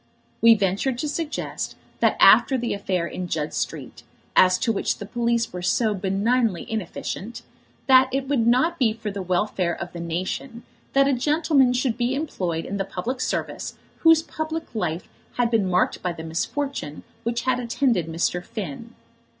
We ventured to suggest after that affair in Judd Street, as to which the police were so benignly inefficient, that it would not be for the welfare of the nation that a gentleman should be employed in the public service whose public life had been marked by the misfortune which had attended Mr. Finn.